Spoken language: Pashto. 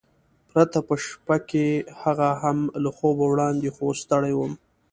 پرته په شپه کې، هغه هم له خوبه وړاندې، خو اوس ستړی وم.